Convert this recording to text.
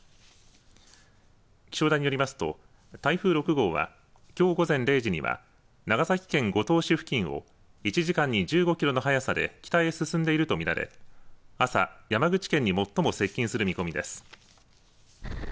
気象台によりますと台風６号はきょう午前０時には長崎県五島市付近を１時間に１５キロの速さで北へ進んでいると見られ朝、山口県に最も接近する見込みです。